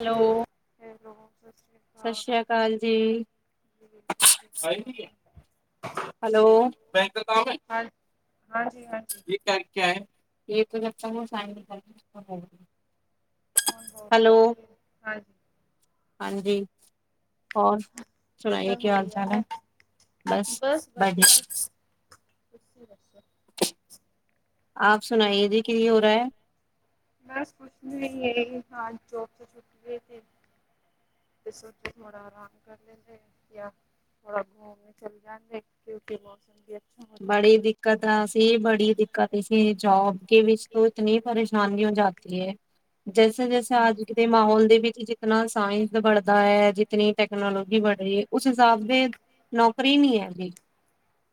Hello [inaudible] ਸਤਿ ਸ੍ਰੀ ਅਕਾਲ ਅਕਾਲ ਜੀ। ਜੀ ਸਤਿ [unintelligible] ਸ਼੍ਰੀ ਅਕਾਲ ਹੈਲੋ ਬੈਂਕ ਤੱਕ ਆਓਗੇ ਹਾਂ ਹਾਂਜੀ ਹਾਂਜੀ ਜੇ ਬੈਂਕ ਕਿਆ ਐ। ਇਹ ਨਤਾ [inaudible] ਮ ਹੁਣ ਬਸ ਆਏਗੀ ਹਾਂਜੀ। ਹਾਂਜੀ ਹੋਰ ਕਿਆ ਸੁਣਾਈਏ ਕੀ ਹੋ ਹਾਲ ਰਿਹਾ ਚਾਲ ਹੈ? ਬਸ ਬਡੀ ਤੁਸੀ ਦੱਸੋ। ਆਪ ਸੁਣਾਈਏ ਜੀ ਕੀ ਹੋ ਰਿਹਾ ਹੈ। ਬਸ ਕੁਛ ਨੀਂ ਹੈ ਹਜ ਜੋਬ ਤੇ ਛੁੱਟੀ ਹੋ ਤੇ ਸੇ ਥੋੜਾ ਆਰਾਮ ਕਰ ਲੈਂਦੇ ਥੋੜਾ ਘੁੰਮ ਚਲੇ ਜਾਂਦੇ ਕਿਉਂਕਿ ਮੌਸਮ ਕੀ ਬੜੀ ਦਿੱਕਤ ਆ ਸੀ ਬੜੀ ਦਿੱਕਤ ਅ ਸੀ ਜੋਬ ਕੇ ਵਿੱਚ ਇਤਨੀ ਪਰੇਸ਼ਾਨ ਹੋ ਹੈ ਜੈਸੇ ਹਾਂਜੀ ਜੈਸੇ, ਅੱਜ ਦੇ ਮਾਹੌਲ ਦੇ ਵਿੱਚ ਜਿਤਨਾਂ ਸਾਇੰਸ ਬੜਦਾ ਹੈ। ਜਿਤਨੀ ਟੈਕਨੋਲੋਜੀ ਬੜ ਰਹੀ ਹੈ ਉਸ ਹਿਸਾਬ ਦੇ ਨੌਕਰੀ ਨੀਂ ਹੈਗੀ।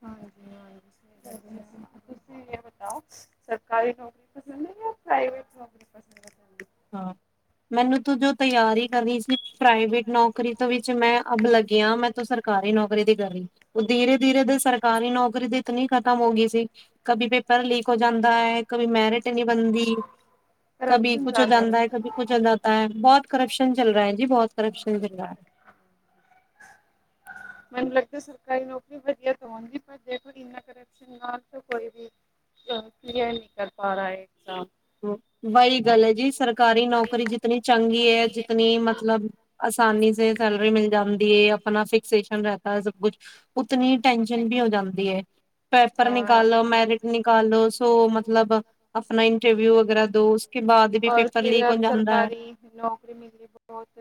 ਹਾਂਜੀ ਹਾਂਜੀ। ਤੁਸੀਂ ਇਹ ਬਤਾਓ ਸਰਕਾਰੀ ਨੌਕਰੀ ਪਸੰਦ ਹੈ ਜਾਂ ਪ੍ਰਾਈਵੇਟ ਪਸੰਦ [unintelligible] ਹਾਂ, ਮੈਨੂੰ ਤੂੰ ਜੋ ਤਿਆਰੀ ਕਰੀ ਸੀ ਪ੍ਰਾਈਵੇਟ ਨੌਕਰੀ ਤੋਂ ਵਿੱਚ ਮੈਂ ਅੱਬ ਲੱਗਿਆ ਮੈਂ ਤੂੰ ਸਰਕਾਰੀ ਨੌਕਰੀ ਦੀ ਕਰਹੀ ਉਹ ਧੀਰੇ ਧੀਰੇ ਦੇ ਸਰਕਾਰੀ ਨੌਕਰੀ ਦੀ ਇਤਨੀ ਖ਼ਤਮ ਹੋ ਗਈ ਸੀ ਕਬੀ ਪੇਪਰ ਲੀਕ ਹੋ ਜਾਂਦਾ ਹੈ ਕਬੀ ਮੈਰਿਟ ਨੀ ਬੰਦੀ ਕਭੀ ਕੁਛ ਹੋ ਜਾਂਦਾ ਹੈ, ਕਭ ਕੁਛ ਹੋ ਜਾਂਤਾ ਹੈ। ਬਹੁਤ ਕਰਪਸ਼ਨ ਚੱਲ ਰਿਹਾ ਹੈ ਜੀ ਬਹੁਤ ਕਰਪਸ਼ਨ ਚੱਲ ਰਿਹਾ ਹੈ। ਮੈਨੂੰ ਲੱਗਦਾ ਸਰਕਾਰੀ ਨੌਕਰੀ ਵਧੀਆ ਹੋਣਗੀ ਪਰੇ [unintelligible] ਕੋਈ ਵੀ ਕਲੀਅਰ ਨਹੀਂ ਕਰ ਪਾ ਰਹਾ ਹੈ। ਵਹੀ ਗੱਲ ਹੈ ਜੀ ਸਰਕਾਰੀ ਨੌਕਰੀ ਜਿਤਨੀ ਚੰਗੀ ਹੈ ਜਿਤਨੀ ਮਤਲਬ ਆਸਾਨੀ ਸੈਲਰੀ ਮਿਲ ਜਾਂਦੀ ਏ ਆਪਣਾ ਫਿਕਸ ਰਹਤਾ ਹੈ ਸਭ ਕੁਛ ਉਤਨੀ ਟੈਂਸ਼ਨ ਵੀ ਹੋ ਜਾਂਦੀ ਹੈ। ਪੇਪਰ ਨਿਕਾਲੋ, ਮੈਰਿਟ ਨਿਕਾਲੋ ਸੋ ਮਤਲਬ ਆਪਣਾ ਗ ਫਿਰ ਜਾਂਦਾ ਹੈ ਸਰਕਾਰੀ ਨੌਕਰੀ ਮਿਲ ਬਹੁਤ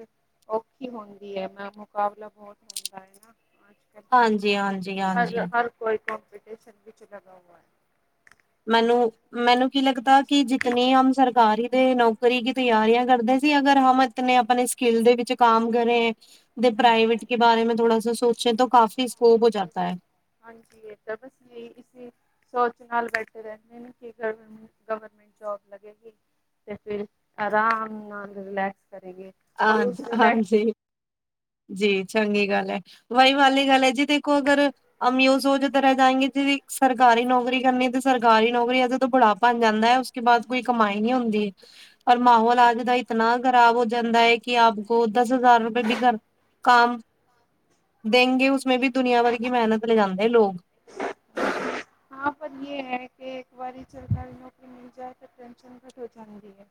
ਔਖੀ ਹੁੰਦੀ ਹੈ ਮੈਂ ਮੁਕਾਬਲਾ ਬਹੁਤ ਹੁੰਦਾ ਹੈ ਨਾਂ। ਹਾਂਜੀ ਹਾਂਜੀ ਹਾਂਜੀ। ਸਟੇਸ਼ਨ ਵਿੱਚ ਲਗਾ ਹਆ ਹੈ। ਮੈਨੂੰ ਹਾਂਜੀ ਮੈਨੂੰ। ਕੀ ਲੱਗਦਾ ਕਿ ਜਿਨੀ ਆਮ ਸਰਕਾਰੀ ਦੇ ਨੌਕਰੀ ਰੀ ਕੀ ਤਿਆਰੀਆਂ ਕਰਦੇ ਸੀ ਅਗਰ ਹਮ ਇਤੇ ਆਪਣੇ ਸਕਿੱਲ ਦੇ ਵਿੱਚ ਕੰਮ ਕਰੇ ਤੇ ਪ੍ਰਾਈਵੇਟ ਕੇ ਬਾਰੇ ਮੈਂ ਥੋੜਾ ਸੋਚਣ ਤੋਂ ਕਾਫੀ ਹਾਂਜੀ ਇਹ ਤਾਂ ਬਸ ਇਹੀ ਇਸ ਸੋ ਨਾਲ ਬੈਠੇ ਰਹਿੰਦੇ ਨੇ ਕਿ ਗਵਰਮੈਂਟ ਜੋਬ ਲਗੇਗੀ ਤੇ ਫਿਰ ਆਰਾਮ ਨਾਲ ਰਿਲੈਕਸ ਕਰੇਗੇ ਔਰ ਹਾਂਜੀ ਉਸ ਰਿਲੈਕਸ ਹਾਂਜੀ। ਜੀ ਚੰਗੀ ਗੱਲ ਹੈ ਵਾਹੀ ਵਾਲੀ ਗੱਲ ਹੈ ਜੀ ਦੇਖੋ ਅਗਰ ਅਮਿਓ ਸੋਜ ਤਰ੍ਹਾਂ ਜਾਏਗੇ ਜ ਸਰਕਾਰੀ ਨੌਕਰੀ ਕਰਨੀ ਤੇ ਸਰਕਾਰੀ ਨੌਕਰੀ ਅੱਜ ਤੋਂ ਬੁੜਾ ਭਣ ਜਾਂਦਾ ਹੈ ਉਸਕੇ ਬਾਅਦ ਕੋਈ ਕਮਾਈ ਨੀ ਹੁੰਦੀ ਹੈ ਪਰ ਮਾਹੌਲ ਅੱਜ ਦਾ ਇਤਨਾ ਖ਼ਰਾਬ ਜਾਂਦਾ ਹੈ ਕਿ ਆਪ ਕੋ ਦਸ ਹਜ਼ਾਰ ਰੁਪਏ ਵੀ ਕਰ ਕਮ ਦਗੇ ਉਸਮੇ ਵੀ ਦੁਨੀਆਂ ਭਰ ਕੀ ਮਿਹਨਤ ਲੈ ਜਾਂਦਾ ਹੈ ਲੋਕ ਪਰ ਇਹ ਹੈ ਕਿ ਇੱਕ ਵਾਰੀ ਸਰਕਾਰੀ ਨੌਕਰੀ ਮਿਲ ਜਾਏ ਤਾਂ ਪੈਂਸ਼ਨ ਘੱਟ ਹੋ ਜਾਂਦੀ ਹੈ।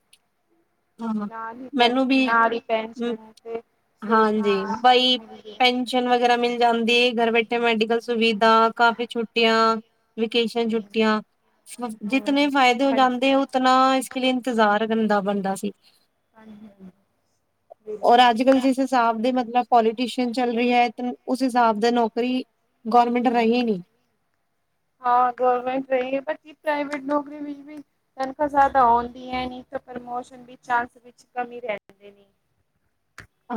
ਹਾਂ ਨਾਲ ਹੀ ਪੈ ਮੈਨੂੰ ਵੀ ਨਾਲ ਹੀ ਪੈਨਸ਼ਨ ਤੇ ਹਾਂਜੀ ਸੁਵਿਧਾ ਬਾਈ ਮਿਲਦੀਆਂ। ਪੈਨਸ਼ਨ ਵਗੈਰਾ ਮਿਲ ਜਾਂਦੀ ਹੈ। ਧਰ ਬੈਠੇ ਮੈਡੀਕਲ ਸੁਵਿਧਾ ਕਾਫੀ ਛੁੱਟੀਆਂ ਵੇਕੇਸ਼ਨ ਛੁੱਟੀਆਂ ਹੂੰ-ਹੂੰ, ਜਿਤਨ ਫਾਇਦੇ ਹੋ ਹਾਂਜੀ। ਜਾਂਦੇ ਉਤਨਾ ਇੰਤਜ਼ਾਰ ਕਰਨ ਦਾ ਬਣਦਾ। ਹਾਂਜੀ-ਹਾਂਜੀ, ਔਰ ਬਿਲਕੁਲ। ਅੱਜ ਕੱਲ੍ਹ ਜਿਸ ਹਿਸਾਬ ਦੇ ਮਤਲਬ ਪੋਲੀਟੀਸ਼ਨਅਨ ਚੱਲ ਰਹੀ ਹੈ। ਉਸ ਹਿਸਾਬ ਦੇ ਨੌਕਰੀ ਗੌਰਮੈਂਟ ਰਹੀ ਨਹੀਂ ਹਾਂ ਗਰਮੈਂਟ ਰਹੀ ਹੈੱਚ ਪ੍ਰਾਈਵੇਟ ਨੌਕਰੀ ਵਿੱਚ ਵੀ ਤਨਖਾਹ ਜ਼ਿਆਦਾ ਆਉਂਦੀ ਹੈ ਨ ਤਾਂ ਪ੍ਰਮੋਸ਼ਨ ਵੀ ਚਾਂਸ ਵਿੱਚ ਕਮੀ ਰਹਿ ਜਾਂ ਦਿੰਦੇ ਨੇ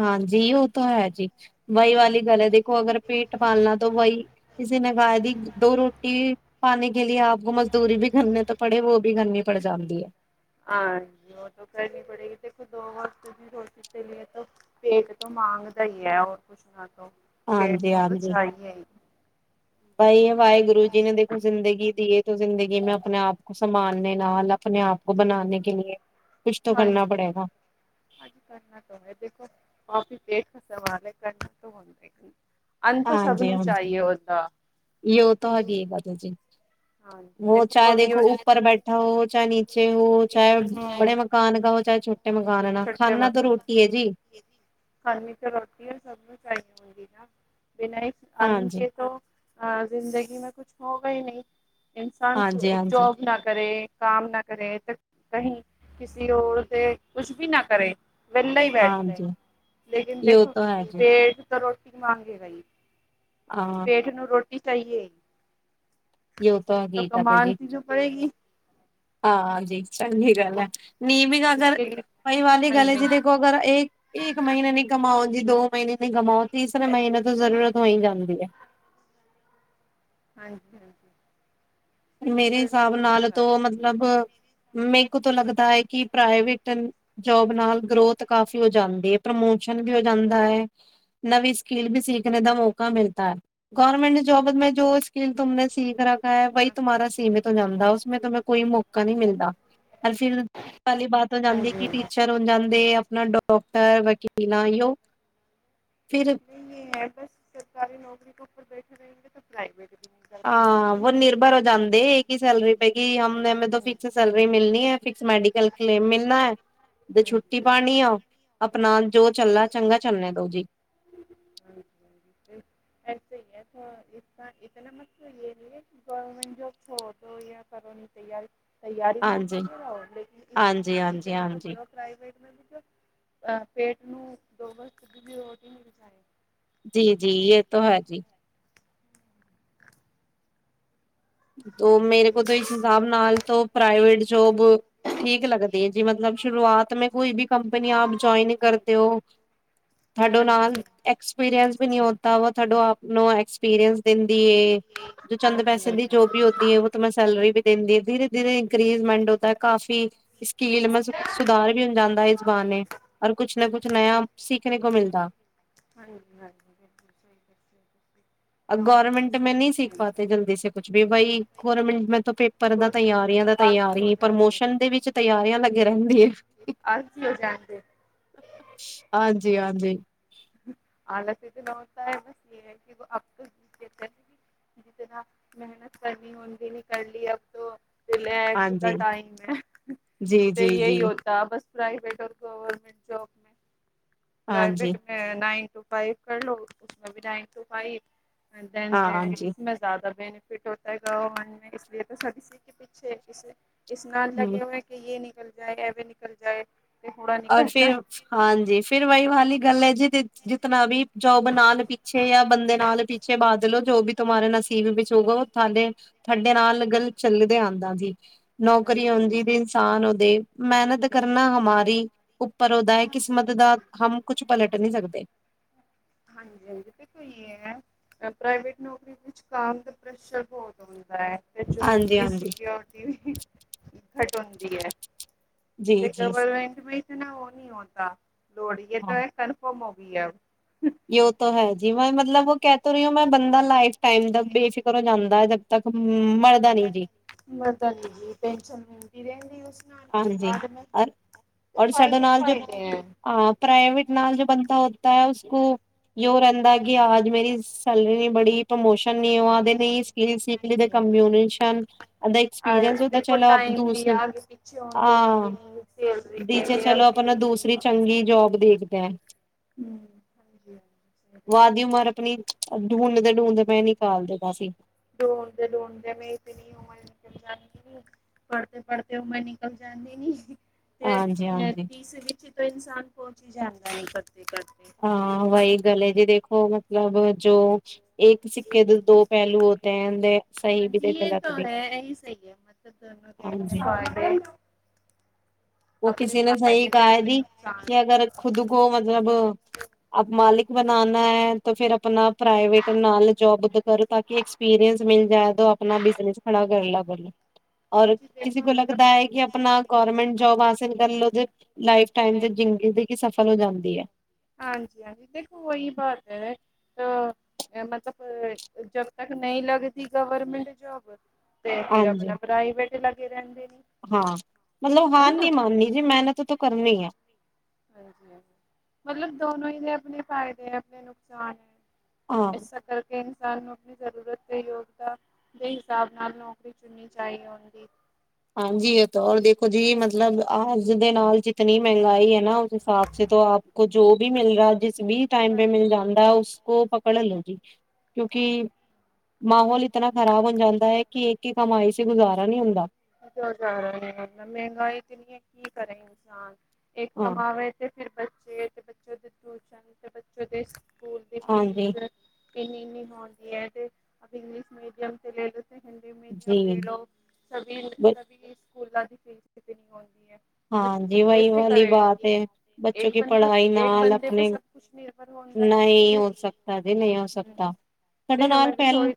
ਹਾਂਜੀ ਉਹ ਤਾਂ ਹੈ ਜੀ [unintelligible] ਗੱਲ ਹੈ ਦੇਖੋ ਅਗਰ ਪੇਟ ਪਾਲਣਾ ਤਾਂ ਬਹੀ ਕਿਸੇ ਨ ਗਾਇ ਦੀ ਦੋ ਰੋਟੀ ਪਾਨੇ ਕੇ ਲਿਏ ਆਪ ਮਜ਼ਦੂਰੀ ਵੀ ਘਰੇ ਤਾਂ ਪੜੇ ਉਹ ਵੀ ਘਰਨੀ ਪੜ ਜਾਂਦੀ ਹੈ। ਹਾਂਜੀ ਉਹ ਤਾਂ ਕਰਨੀ ਪੜੇਗੀ ਦੇਖੋ ਦੋ ਵਫ਼ਤ ਦੀਸ਼ਿਸ਼ ਪੇ ਤੋਂ ਮੰਗਦਾ ਹੀ ਹੈਰ ਕੁਛ ਨਾ ਕੁ ਹਾਂਜੀ ਹਾਂਜੀ। ਭਾਈ ਵਾਹਿਗੁਰੂ ਜੀ ਨੇ ਦੇਖੋ ਜ਼ਿੰਦਗੀ ਦੀਏ ਜ਼ਿੰਦਗੀ ਮੈਂ ਆਪਣੇ ਆਪ ਕੋ ਸਮਾਨ ਨਾਲ ਆਪਣੇ ਆਪ ਕੋ ਬਣਾਣੇ ਕੇ ਲਿਏ ਹਾਂਜੀ ਹਾਂਜੀ ਕਰਨਾ ਤਾਂ ਦੇਖੋ ਕਫੀ ਦੇ ਸਵਾਲ ਕਰ ਤੋਂ ਹ। ਹਾਂਜੀ ਹਾਂਜੀ ਉਹ ਤਾਂ ਹੈਗੀ ਹੈ ਵਤ ਜੀ। ਹੋ ਚਾਹੇ ਦੇਖੋ ਉੱਪਰ ਬੈਠਾ ਹੋ ਚਾਹੇ ਨੀਚੇ ਹੋ ਚਾਹੇ ਬੜੇ ਮਕਾਨ ਕਾ ਹੋ ਚਾਹੇ ਛੋਟੇ [inaudible] [unintelligible] [unintelligible] ਹਾਂਜੀ ਤੋਂ ਹਾਂ, ਜ਼ਿੰਦਗੀ ਮੈਂ ਕੁੱਛ ਹੋਗਾ ਹੀ ਨਹੀਂ ਇਨਸਾਨ ਹਾਂਜੀ ਕੋ ਹਾਂਜੀ ਜੋਬ ਨਾ ਕਰੇ। ਕਾਮ ਨਾ ਕਰੇ ਤੇ ਕਹੀ ਕਿਸੀ ਓਰ ਦੇ ਕੁਛ ਵੀ ਨਾ ਕਰੇ ਵੇਲਾ ਈ ਬੈਠ ਰਹੇ ਹਾਂਜੀ ਲੇਕਨ ਯੋ ਦੇਖੋ ਤਾਂ ਹੈ ਜੀ ਪੇੜ। ਟਾ ਰੋਟੀ ਮੰਗੇ ਗਾ ਈ। ਹਾਂ ਪੇਟ ਨੂੰ ਰੋਟ ਚਾਹੀਏ। ਯੋ ਤਾਂ ਤ ਕਮਾਤੀ ਤੋਂ ਪੜੇਗੀ। ਹਾਂਜੀ, ਚੰਗੀ ਗੱਲ ਐ। [unintelligible] ਪਈ ਵਾਲੀ ਗੱਲ ਹਾਂਜੀ ਐ ਜੀ ਦੇਖੋ ਹਾਂਜੀ ਅਗਰ ਇੱਕ ਇੱਕ ਮਹੀਨੇ ਨੀ ਕਮਾਉਣ ਜੀ ਦੋ ਦੋ ਮਹੀਨੇ ਨੀ ਗਮਾਉ ਤੀਸਰੇ ਮਹੀਨੇ ਤੋਂ ਜ਼ਰੂਰਤ ਹੋ ਈ ਜਾਂਦੀ ਐ ਹਾਂਜੀ, -ਹਾਂਜੀ। ਮੇਰੇ ਹਿਸਾਬ ਨਾਲ ਤੋ ਨੂੰ ਮਤਲਬ ਮੈ ਕੋ ਤੋਂ ਲੱਗ ਕਿ ਪ੍ਰਾਈਵੇਟ ਜੋਬ ਨਾਲ ਗਰੋਥ ਕਾਫੀ ਹੋ ਜਾਂਦੀ ਏ। ਪ੍ਰਮੋਸ਼ਨ ਵੀ ਹੋ ਜਾਂਦਾ ਏ। [unintelligible] [unintelligible] ਕਲੀ ਬਾਤ ਹੋ ਜਾਂਦੀ ਕਿ ਹਾਂਜੀ ਟੀਚਰ ਹੋ ਜਾਂਨ ਦੇ ਆਪਣਾ ਡਾਕਟਰ ਵਕੀਲਾਂ ਯੋਗ ਨਹੀਂ ਇਹ ਹੈ ਬਸ ਸਰਕਾਰੀ ਨੌਕਰੀ ਕੋ ਬੈਠੇ ਰਹੇਗੇ ਤਾਂ ਪ੍ਰਾਈਵੇਟ ਹਾਂ ਵ ਨਿਰਭਰ ਹੋ ਜਾਂਦੇ ਇਹ ਕੀ ਸੈਲਰੀ ਹਾਂਜੀ ਪਏਗੀਮਂ ਤੋਂ ਫਿਕਸ ਹਾਂਜੀ ਸੈਲਰੀ ਮਿਲਣੀ ਏ। ਫਿਕਸ ਮੈਡੀਕਲ ਕਲੇਮ ਮਿਲਣਾ ਏ। ਤੇ ਛੁੱਟੀ ਪਾਉਣੀ ਆ ਆਪਣਾ ਜੋ ਚੱਲਲਾ ਚੰਗਾ ਚੱਲਣਾ ਦੋ ਜੀ [unintelligible] [unintelligible] ਹਾਂਜੀ ਹਾਂਜੀ ਹਾਂਜੀ ਹਾਂਜੀ ਨੋ ਦੋਗਸ [unintelligible] ਮਿਲ ਜਾਹੀ ਜੀ-ਜੀ ਇਹ ਤਾਂ ਹੈ ਜੀ। ਤੋ ਮੇਰੇ ਕੋਲ ਤੇ ਇਸ ਹਿਸਾਬ ਨਾਲ ਤੋ ਪ੍ਰਾਈਵੇਟ ਜੋਬ ਠੀਕ ਲੱਗਦੀ ਏ ਜੀ ਮਤਲਬ ਸ਼ੁਰੂਆਤ ਮੈਂ ਕੋਈ ਵੀ ਕੰਪਨੀ ਆਪ ਜਇਨ ਕਰਦੇ ਹੋ ਤੁਡੋ ਹਾਂਜੀ ਨਾਲ ਹਾਂਜੀ ਐਕਸਪੀਰੀੰਸ ਵੀ ਨੀ ਆਉਂਦਾ ਵਾ ਤੁਡ ਆਪ ਨੂੰ ਐਕਸਪੀਰੀਅੰਸ ਦਿੰ ਦੀ ਜੋ ਹਾਂ ਚੰਦ ਹਾਂਜੀ ਪੈਸੇ ਹਾਂਜੀ ਦੀ ਜੋ ਵੀ ਹੁੰਦੀ ਹੈ ਉਹ ਤਾਂ ਮੈਂ ਸੈਲਰੀ ਵੀ ਦਿੰਦੀ ਹਾਂ ਧੀਰੇ ਧੀਰੇ ਇੰਕੀਮੇਂਟ ਹੁੰਦਾ ਕਾਫੀ ਸਕੀਲ ਮਤਲਬ ਸੁਧਾਰ ਵੀ ਹੋ ਜਾਂਦਾ ਇਸ ਬਾਨੇ ਔਰ ਕੁਛ ਨਾ ਕੁਛ ਨਆ ਸਿਖਨੇ ਦੇਖਨੇ ਕੋ ਮਿਲਦਾ। ਹਾਂ ਹਾਂਜੀ ਸਹੀ, ਨਵਾਂ ਨਵਾਂ ਗਰਮੈਂਟ ਮੈਂ ਨ ਸਿੱਖਣੇ ਨੂੰ ਸਿੱਖ ਮਿਲਦਾ ਪਾਤੇ ਜਲਦੀ ਸੇ ਕੁਛ ਵੀ ਬਈ ਗਾਰਮੈਂਟ ਮ ਪੇਪਰ ਦਾ ਗੌਰਮੈਂਟ ਤਯਰੀਆਂ ਦਾ ਮਤਲਬ ਆਲਸੀ ਹੋ ਤਯਰੀ ਜਾਂਦੇ ਪ੍ਰਮੋਸ਼ਨ ਦੇ ਵਿਚ ਤਯਰੀਆਂ ਲਗੇ ਰਹਿੰਦੀ ਆ ਆਲਸੀ ਹੋ ਜਾਂਦੇ ਹਾਂਜੀ ਹਾਂਜੀ ਹਾਲਤ ਇਤਨਾ ਹੋਤਾ ਹੈ ਬਸ ਇਹ ਹੈ ਕਿ ਅ ਜਨਾ ਮਿਹਨਤ ਕਰਨੀ ਉਦੇ ਨ ਕਰ ਲਈ ਲੈਧਾ ਹਾਂਜੀ ਟਾਈਮ ਹੈ ਜੀ ਤੇ ਜੀ ਜੀ ਇਹੀ ਹੋਤਾ ਬਸ ਪ੍ਰਾਈਵੇਟ ਔਰ ਗਵਰਮੈਂਟ ਜੌਬ ਮੈਂ, ਹਾਂਜੀ, ਨਾਈਨ ਟੂ ਫਾਈਵ ਕਰ ਲੋ ਉਸੇ ਵੀ ਨਾਈਨ ਟੂ ਫਾਈਵ ਨ ਹਾਂ ਤੇ ਹਾਂਜੀ ਇਸੇ ਜ਼ਿਆਦਾ ਬੇ- ਫਿਟ ਹੋਤਾ ਹੈ ਗਾ ਮਨ ਇਸ ਲਈ ਤਾਂ ਸਭ ਇਸ ਕੇ ਪਿੱਛੇ ਹੈ ਕਿਸੇ ਇਸ ਨਾਲ ਹਮ ਲੱਗੇ ਹੋ ਕਿ ਯੇ ਨੀ, ਨਿਕਲ ਜਾਏ ਐਵੇਂ ਨਿਕਲ ਜਾਏ। ਔਰ ਫਿਰ ਹਾਂਜੀ ਫਿਰ ਵਹੀ ਵਾਲੀ ਗੱਲ ਐ। ਜੇ ਤੇ ਜਿਤਨਾ ਵੀ, ਜੋਬ ਨਾਲ ਪਿੱਛੇ ਜਾਂ ਬੰਦੇ ਨਾਲ ਪਿੱਛੇ ਬਾਦਲੋ ਜੋ ਵੀ ਤੁਮਾਰਾਰੇ ਨਸੀਬ ਵਿੱਚ ਹੋਗਾ ਉਹ ਥੱਲੇ ਥਡੇ ਨਾਲ ਗੱਲ ਚੱਲਦੇ ਆਉਂਦਾ ਜੀ। ਨੌਕਰੀ ਹਾਂਜੀ। ਆਦੀ ਤੇ ਇਨਸਾਨ ਉਹਦੇ ਮਿਹਨਤ ਕਰਨਾ ਹਮਾਰੀ ਉੱਪਰ ਉਹਦਾ ਹੈ ਕਿਸਮਤ ਦਾ ਹਮ ਕੁਛ ਪਲਟ ਨਹੀਂ ਸਕਦੇ। ਹਾਂਜੀ ਹਾਂਜੀ। ਦੇਖੋ ਇਹ ਹੈ ਪ੍ਰਾਈਵੇਟ ਨੌਕਰੀ ਵਿੱਚ ਕਮ ਦਾ ਪ੍ਰੈਸ਼ਰ ਬਹੁਤ ਹੁੰਦਾ ਹੈ। ਜੋ ਹਾਂਜੀ ਦੇ ਹਾਂਜੀ ਸਕਿਉਰਟੀ ਵੀ, ਘੱਟ ਹੁੰਦੀ ਹੈ, ਜੀ ਜੀ ਗਵਰਮੈਂਟ ਵੀ ਇਤਨਾ ਉਹ ਨਹੀਂ ਹੋਤਾ ਲੋਡ। ਇਹ ਹਾਂ ਹੈ ਕਨਫਰਮ ਵੀ ਆ, ਯ ਤਾਂ ਹੈ ਜੀ। ਮੈਂ ਮਤਲਬ ਉਹ ਕਹਿ ਤੋ ਰਹੀ ਹੋ ਮੈਂ ਬੰਦਾ ਲਾਈਫ ਟੈਮ ਦਾ ਬੇਫਿਕਰ ਹੋ ਜਾਂਦਾ। ਜਦ ਤੱਕ ਮਰਦਾ ਨੀ ਜੀ। ਪਤਾ ਨੀ ਜੀ ਟੈਨਸ਼ਨ ਮਿਲਦੀ ਰਹਿੰਦੀ ਉਸ ਹਾਂਜੀ ਔਰ ਸਾਡੇ ਫ਼ਾਇਦੇ ਹੀ ਨਾਲ ਜੋ ਫ਼ਾਇਦੇ ਹੈ। ਹਾਂ ਪ੍ਰਾਈਵੇਟ ਨਾਲ ਜੋ ਬੰਦਾ ਹੋਦਾ ਹੈ। ਗ [unintelligible] ਰਹਿੰਦਾ ਕਿ ਆਜ ਮੇਰੀ ਸੈਲਰੀ ਬੜੀ ਪ੍ਰਮੋਸ਼ਨ ਨੀ ਹੁਆ ਦੈਨਿਕ ਐ ਸਕਿਲ ਸੀਖ ਲੀ ਦਾ ਕਿਮੋਉਨੇਸਨ ਐਕਸਪੀਰੀਸ [unintelligible] ਹਿੰਦੇ ਚੰਗੀ ਜੋਬ ਦੇਖਦੇ ਹੈ [unintelligible] ਵਾ ਦੀ ਉਮਾਰ ਆਪਣੀ ਡੁਡਦੇ--' ਤੂੰ ਤੇ ਮੈਂ ਨਿਕਾਲ ਦੇਣਾ ਸੀ? ਡੂੰਦੇ ਡੂੰਦੇ ਮੈਂ ਨਿਕਲ ਜਾਂਦੀ। ਪੜ੍ਹਦੇ ਪੜ੍ਹਦੇ। ਉਹ ਮੈਂ ਨਿਕਲ ਜਾਂਦੀ ਨੀ। ਤੇ ਹਾਂਜੀ ਹਾਂਜੀ ਤਸਲੀਛ ਤੋਂ ਇਨਸਾਨ। ਉਹ ਚੀ ਜਾਣਕਾਰੀ ਕਦੋਂ? ਹਾਂ ਵਹੀ ਗਲੇ ਦੀ ਦੇਖੋ ਅਗਰ। ਮਤਲਬ ਜੋੋ। ਇੱਕ ਸਿੱਕੇ ਦੇ ਦੋ ਪਹਿਲੂ ਹੋਤੇ ਹੈ ਦੇ ਸਹੀ ਵੀ ਤੇ ਹਾਂਜੀ ਇਹ ਗਲਤ ਤਾਂ ਵੀ ਹੈ, ਇਹੀ ਸਹੀ ਹੈ, ਮਤਲਬ ਦੋਨੋਂ ਦੇ ਆਪਣੇ ਹਾਂਜੀ ਫਾਇਦੇ, ਉਹ ਆਪਣੇ ਕਿਸੇ ਨੇ ਸਹੀ ਫਾਇਦੇ ਤੇ ਕਿਹਾ ਆਪਣੇ ਜੀ ਨੁਕਸਾਨ। ਕਿ ਅਗਰ ਖੁਦ ਕੋ ਮਤਲਬ। ਆਪ ਮਾਲਿਕ ਬਨਾਨਾ ਹੈ ਤਾਂ ਫੇਰ ਆਪਣਾ? ਪ੍ਰਾਈਵੇਟ ਨਾਲ ਜੋਬ ਕਰੋ ਤਾਂ ਕਿ ਐਕਸਪੀਰੀੰਸ ਮਿਲ ਜਾ ਆਪਣਾ ਬਿਜਨਸ ਖੜਾ ਕਰ ਲਾ। ਵੱਲੋਂ। ਔਰ ਹਾਂਜੀ ਦੇਖੋ, ਕਿਸੇ ਕੋ ਲੱਗਦਾ ਹੈ ਕਿ ਆਪਣਾ ਗੌਰਮਿੰਟ ਜੋਬ ਹਾਸਿਲ ਕਰਲੋ ਤੇ ਵਾਈਫ਼ ਟਾਈਮ ਤੇ ਜ਼ਿੰਦਗੀ ਸਫਲ ਹੋ ਜਾਂਦੀ ਹੈ? ਜੀ ਹਾਂਜੀ ਦੇਖੋ ਉਹੀ ਬਾਤ ਹੈ। ਮਤਲਬ ਜਦ ਤੱਕ ਨਹੀਂ ਲੱਗਦੀ ਗਵਰਮੈਂਟ ਜੌਬ? ਤੇ ਫਿਰ ਹਾਂਜੀ ਆਪਣਾ। ਪ੍ਰਾਈਵੇਟ ਲੱਗੇ ਰਹਿੰਦੇ ਹੈ? ਨੇ, ਹਾਂ ਮਤਲਬ ਹਾਰ ਨੀ ਨਾ। ਮਾਨਣੀ ਜੀ ਮਿਹਨਤ ਤੋਂ? ਕਰਨੀ ਆ। ਹਾਂਜੀ ਮਤਲਬ ਦੋਨੋ ਨੇ ਆਪਣੇ ਫਾਇਦੇ ਹੈ ਆਪਣੇ ਨੁਕਸਾਨ ਹੈ। ਹਾਂ ਐਸਾ ਕਰਕੇ। ਸਾਨੂੰ ਨੂੰ ਆਪਣੀ ਜ਼ਰੂਰਤ ਤੇ ਯੋਗਤਾ ਦੇ ਹਿਸਾਬ ਨਾਲ ਨੌਕਰੀ ਚੁਨਣੀ ਚਾਹੀ ਹੁੰਦੀ ਹੈ। ਹਾਂਜੀ ਇਹ ਦੌਰ ਦੇਖੋ ਜੀ ਮਤਲਬ ਆਜ। ਦੇ ਨਾਲ। ਇਤਨੀ ਮਹਿੰਗਾਈ ਹੈ ਨਾ। ਉਸ ਹਿਸਾਬ ਆਪ ਕੋ ਜੋ ਵੀ ਮਿਲ ਰਿਹਾ। ਜਿਸ ਵੀ ਟਾਈਮ ਪੇ ਮਿਲ ਹਾਂਜੀ ਜਾਂਦਾ ਉਸ। ਕੋ ਪਕੜ ਲੋ ਜੀ ਕਿਉਂਕਿ ਮਾਹੌਲ ਇਤਨਾ ਖ਼ਰਾਬ ਹੋ ਜਾਂਦਾ ਹੈ ਕਿ ਇੱਕ ਹੀ ਕਮਾਈ ਸੇ ਗੁਜ਼ਾਰਾ ਨਹੀਂ ਹੁੰਦਾ? ਕਿਉਂ ਜਾ ਰਿਹਾ ਅਮਨ ਮਹਿੰਗਾਈ ਇਤਨੀ ਹੈ ਕੀ ਕਰੇ? ਇੱਕ ਕਮਾਵੇ ਤੇ। ਫਿਰ ਬੱਚੇ ਤੇ ਬੱਚੇ ਦੇ ਟਿਊਸ਼ਨ ਤੇ ਬੱਚੇ ਦੇ। ਸਕੂਲ ਦੀ ਹਾਂਜੀ। ਫੀਸ ਇੰਨੀ ਇੰਨੀ ਆਉਂਦੀ ਹੈ ਤੇ ਅਸੀਂ ਇੰਗਲਿਸ਼ ਮੀਡੀਅਮ ਤੇ ਲੈ ਲਏ। ਜੀ। ਕਵੀ ਇੰਗਲੀਸ਼ ਕਵੀ ਫ਼ੀਸ। ਸਕੂਲਾਂ ਦੀ ਫੀਸ ਕਿਤਨੀ ਆਉਦੀ ਹੈ? ਹਾਂਜੀ ਵਹੀ ਕੈਸੇ ਵਾਲੀ ਕਰੇ ਬਾਤ ਹੈ ਬੱਚੋਂ ਇੱਕ ਕੀ ਬੰਦਾ ਪੜ੍ਹਾਈ ਇੱਕ ਨਾਲ ਬੰਦੇ ਪੇ ਆਪਣੇ ਸਭ ਕੁਛ ਨਿਰਭਰ ਹੁੰਦਾ ਤਾਂ ਨਹੀਂ ਫਿਰ ਹੋ ਸਕਦਾ ਜੀ ਨਹੀਂ ਹੋ ਹਮ ਸਕਦਾ ਸਾਡੇ ਨਾਲ ਪਹਿਲ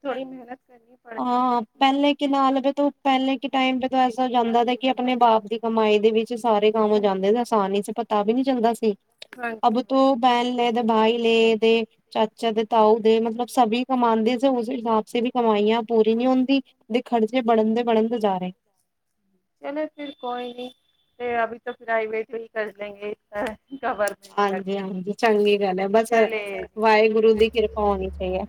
ਹਾਂ ਪਹਿਲੇ ਕਿ ਨਾਲ ਤੂੰ। ਪਹਿਲੇ ਕੇ ਟਾਈਮ ਪੇ ਤੋਂ ਐਸਾ ਜਾਂਦਾ ਕਿ ਆਪਣੇ ਬਾਪ ਦੀ ਕਮਾਈ ਹੈ? ਵਿੱਚ ਸਾਰੇ ਕੰਮ ਹੋ ਜਾਂਦੇ ਆਸਾਨੀ ਸੀ ਪਤਾ ਵੀ ਨੀ ਚੰਦਾ ਸੀ ਵੀ ਨਹੀਂ ਅਭ ਤੋਂ ਬੈਨ ਲੈਦਾ ਬਾਈ ਲਏ ਦੇ ਚਾਚਾ ਦੇ ਤਾਊ ਦੇ ਮਤਲਬ ਸਭ ਕਮਾਉਂਦੇ ਸੀ ਉਸਦੇ ਹਿਸ ਵੀ ਕਮਾਈ ਐ ਪੂਰੀ ਨਹੀਂ ਹੁੰਦੀ ਹਾਂਜੀ ਦੇ ਹਾਂਜੀ ਖਰਚੇ ਬਣਨ ਦੇ ਬੜਨਦੇ ਜਾ ਰਹੇ ਅਭੀ ਤਾਂ ਪ੍ਰਾਈਵੇਟ ਹੀ ਕਰ ਲੈਂਗੇੇ ਇ ਹਾਂਜੀ-ਹਾਂਜੀ ਚੰਗੀ ਗੱਲ ਹੈ। ਬਸ ਵਾਹਿਗੁਰੂ ਦੀ ਕਿਰਪਾ ਹੋਣੀ ਚਾਹੀ ਹੈ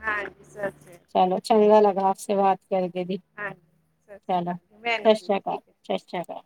ਚਲੋ ਚੰਗਾ ਲਗਾ [inaudible] ਕਰਕੇ ਜੀ ਹਾਂਜੀ ਸਤਿ ਸ਼੍ਰੀ ਚਲੋ, ਅਕਾਲ ਜੀ ਮੈਨੂੰ ਸਤਿ ਵੀ ਸ੍ਰੀ ਠੀਕ ਹੈ ਅਕਾਲ-ਸਤਿ ਸ੍ਰੀ ਅਕਾਲ